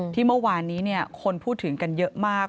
ที่เมื่อวานนี้คนพูดถึงกันเยอะมาก